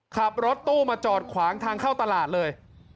ขับรถตู้มาจอดขวางทางเข้าตลาดเลย